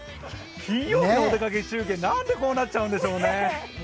金曜日のお出かけ中継、なんでこうなっちゃうんでしょうね。